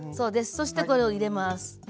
そしてこれを入れます。